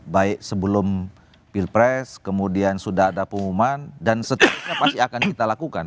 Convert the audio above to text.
baik sebelum pilpres kemudian sudah ada pengumuman dan seterusnya pasti akan kita lakukan